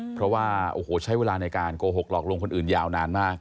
เพราะว่าโอ้โหใช้เวลาในการโกหกหลอกลวงคนอื่นยาวนานมาก